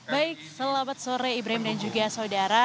baik selamat sore ibrahim dan juga saudara